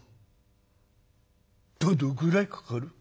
「おうどのぐらいかかる？」。